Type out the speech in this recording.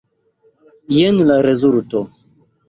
Jen la rezulto.